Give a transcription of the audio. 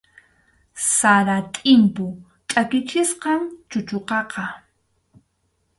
Sara tʼimpu chʼakichisqam chuchuqaqa.